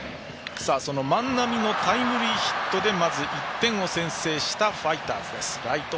万波のタイムリーヒットでまず１点を先制したファイターズ。